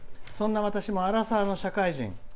そんな私もアラサーの社会人。